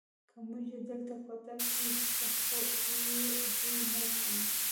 که موږ یې دلته کوټه کې پخو دی یې بوی نه زغمي.